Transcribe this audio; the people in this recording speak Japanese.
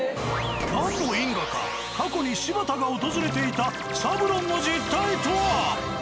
何の因果か過去に柴田が訪れていた「サブロン」の実態とは？